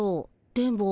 電ボ。